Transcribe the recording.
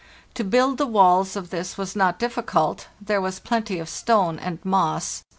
To build the walls of this was not difficult; there was plenty of stone and moss.